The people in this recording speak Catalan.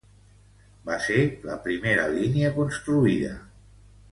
Va ser la primera línia construïda.